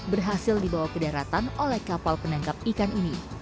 berhasil dibawa ke daratan oleh kapal penangkap ikan ini